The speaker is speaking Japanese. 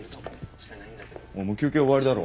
おいもう休憩終わりだろ。